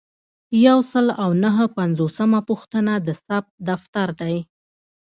یو سل او نهه پنځوسمه پوښتنه د ثبت دفتر دی.